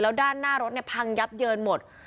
แล้วด้านหน้ารถพังยับเยินหมด